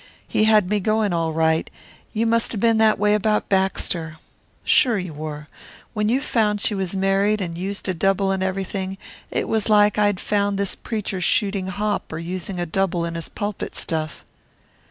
He had me going all right. You must 'a' been that way about Baxter. Sure you were. When you found she was married and used a double and everything, it was like I'd found this preacher shooting hop or using a double in his pulpit stuff."